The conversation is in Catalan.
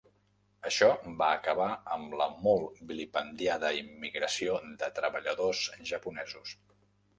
Això va acabar amb la molt vilipendiada immigració de treballadors japonesos.